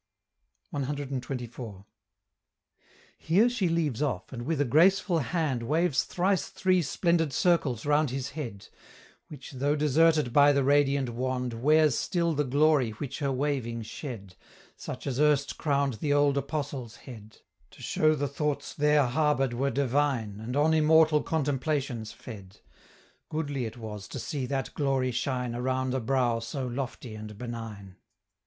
CXXIV. Here she leaves off, and with a graceful hand Waves thrice three splendid circles round his head; Which, though deserted by the radiant wand, Wears still the glory which her waving shed, Such as erst crown'd the old Apostle's head, To show the thoughts there harbor'd were divine, And on immortal contemplations fed: Goodly it was to see that glory shine Around a brow so lofty and benign!